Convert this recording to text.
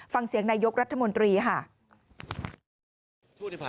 ฟังเสียงนายกรัฐมนตรีค่ะ